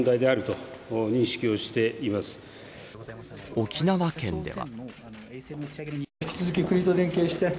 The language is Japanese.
沖縄県では。